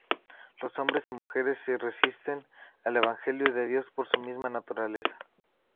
Los hombres y mujeres se resisten al evangelio de Dios por su misma naturaleza.